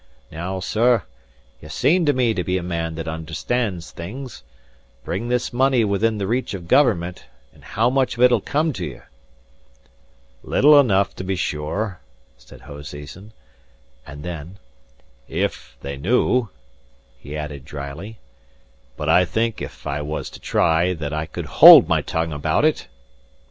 Now, sir, ye seem to me to be a man that understands things: bring this money within the reach of Government, and how much of it'll come to you?" "Little enough, to be sure," said Hoseason; and then, "if they knew," he added, drily. "But I think, if I was to try, that I could hold my tongue about it."